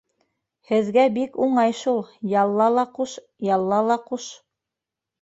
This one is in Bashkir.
Һеҙгә бик уңай шул, ялла ла ҡуш, ялла ла ҡуш.